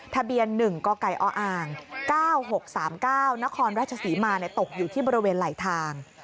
ทะเบียน๑กกออ๙๖๓๙นครราชศรีมาตกอยู่ที่บริเวณไหลทาง